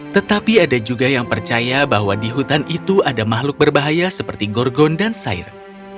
tetapi ada juga yang percaya bahwa di hutan itu ada makhluk berbahaya seperti gorgon dan sayur